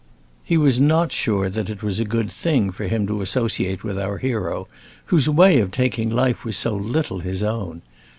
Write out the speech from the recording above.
He was not sure that it was a good thing for him to associate with our hero, whose way of taking life was so little his own.